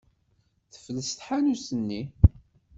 Tefles tḥanut-nni.